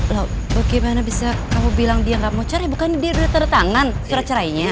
loh bagaimana bisa kamu bilang dia nggak mau cari bukan dia tanda tangan surat cerainya